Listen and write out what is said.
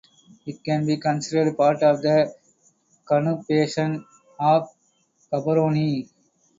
It can be considered part of the conurbation of Gaborone.